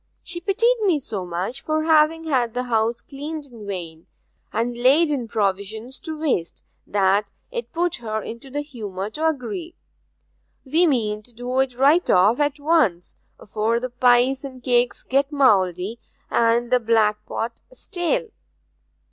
She pitied me so much for having had the house cleaned in vain, and laid in provisions to waste, that it put her into the humour to agree. We mean to do it right off at once, afore the pies and cakes get mouldy and the blackpot stale.